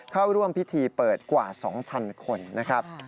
เข้าร่วมพิธีเปิดกว่า๒๐๐คนนะครับ